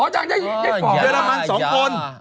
อ๋อจากเยอรมัน๒คน